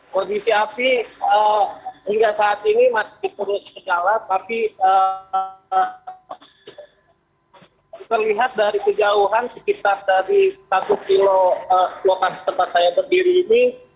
kondisi api hingga saat ini masih terus berjalan tapi terlihat dari kejauhan sekitar dari satu kilo lokasi tempat saya berdiri ini